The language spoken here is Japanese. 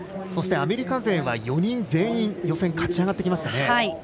そしてアメリカ勢は４人全員が予選を勝ち上がってきましたね。